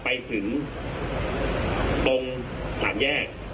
ไปถึงตรงสามแยก